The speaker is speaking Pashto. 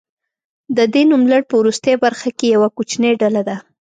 د دې نوملړ په وروستۍ برخه کې یوه کوچنۍ ډله ده.